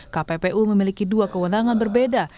kppu memiliki dua kewenangan berbeda